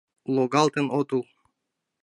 — Логалтен отыл!